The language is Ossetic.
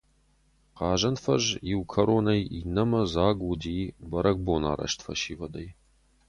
Хъазӕн фӕз иу кӕронӕй иннӕмӕ дзаг уыди бӕрӕгбонарӕзт фӕсивӕдӕй.